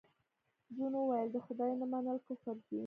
جون وویل د خدای نه منل کفر دی